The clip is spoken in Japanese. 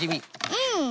うん！